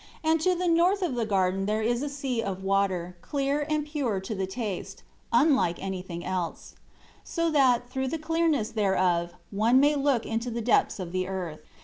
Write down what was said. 2 And to the north of the garden there is a sea of water, clear and pure to the taste, unlike anything else; so that, through the clearness thereof, one may look into the depths of the earth.